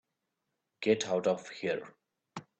Get out of here.